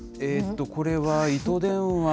これは糸電話。